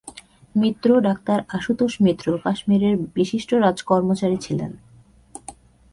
মিত্র, doctor Ashutosh Mitra, কাশ্মীরের বিশিষ্ট রাজকর্মচারী ছিলেন।